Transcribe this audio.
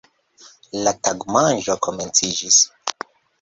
La tagmanĝo komenciĝis.